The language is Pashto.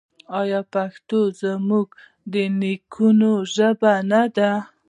آیا پښتو زموږ د نیکونو ژبه نه ده؟